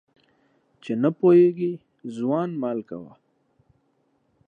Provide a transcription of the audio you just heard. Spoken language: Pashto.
چي نه پوهېږي ځوان مال کوه.